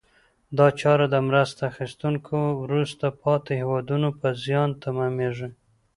دا چاره د مرسته اخیستونکو وروسته پاتې هېوادونو په زیان تمامیږي.